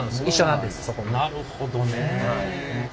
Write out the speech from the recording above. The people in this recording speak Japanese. なるほどねえ。